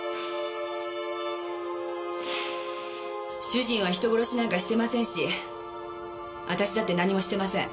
主人は人殺しなんかしてませんし私だって何もしてません。